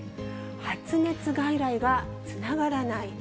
発熱外来がつながらない。